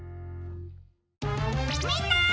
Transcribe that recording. みんな！